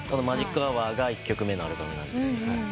『マジックアワー』が１曲目のアルバムなんです。